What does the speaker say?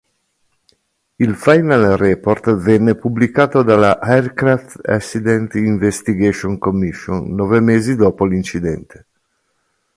Il final report venne pubblicato dalla "Aircraft Accident Investigation Commission" nove mesi dopo l'incidente.